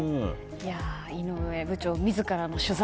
井上部長自らの取材。